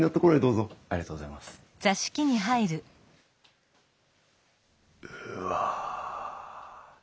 うわ。